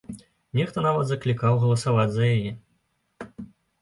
Нехта нават заклікаў галасаваць за яе.